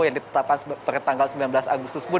yang ditetapkan bertanggal sembilan belas agustus pun